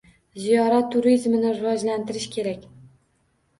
Ziyorat turizmini rivojlantirish kerak.